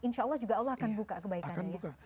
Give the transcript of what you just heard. insya allah juga allah akan buka kebaikannya